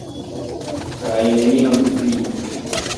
Kaj nenion pli.